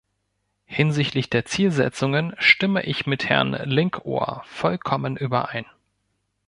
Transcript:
Hinsichtlich der Zielsetzungen stimme ich mit Herrn Linkohr vollkommen überein.